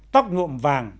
tóc nhuộm vàng